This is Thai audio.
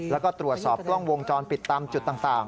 แล้วก็ตรวจสอบกล้องวงจรปิดตามจุดต่าง